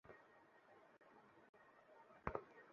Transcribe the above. পল যে কোনো মুহূর্তে এসে পড়বে।